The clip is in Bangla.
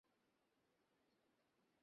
পড়িয়া তিনি আগুন হইয়া উঠিলেন।